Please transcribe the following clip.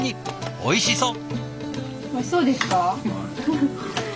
おいしそう。